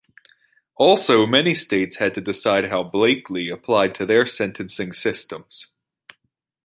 Also, many states had to decide how "Blakely" applied to their sentencing systems.